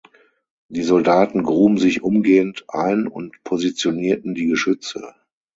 Die Soldaten gruben sich umgehend ein und positionierten die Geschütze.